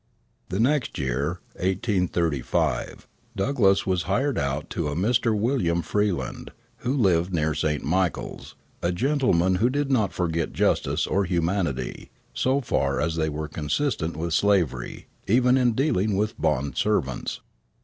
The next year, 1835, Douglass was hired out to a Mr. William Freeland, who lived near St. Michael's, a gentleman who did not forget justice or humanity, so far as they were consistent with slavery, even in dealing with bond servants.